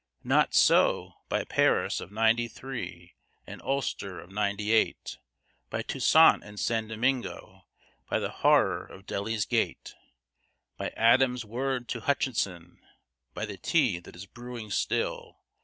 Not so! by Paris of 'Ninety Three, and Ulster of 'Ninety Eight! By Toussaint in St. Domingo! by the horror of Delhi's gate! By Adams's word to Hutchinson! by the tea that is brewing still!